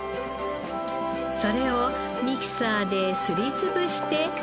それをミキサーですりつぶして。